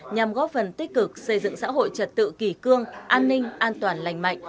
nhằm góp phần tích cực xây dựng xã hội trật tự kỳ cương an ninh an toàn lành mạnh